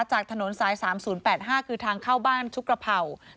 จากถนนซ้าย๓๐๘๕ก็คือทางเข้าบ้านชุกรภัวษ์